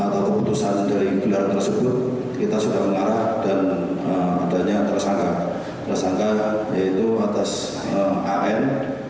tersangka yaitu atas an